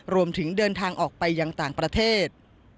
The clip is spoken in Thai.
รวมถึงเดินทางออกไปยังต่างประเทศ